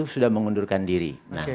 sudah mengundurkan diri